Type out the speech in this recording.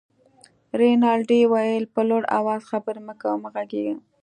رینالډي وویل: په لوړ آواز خبرې مه کوه، مه غږېږه.